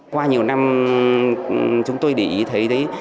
qua nhiều năm chúng tôi để ý thấy đấy